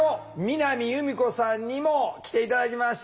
南由美子さんにも来て頂きました。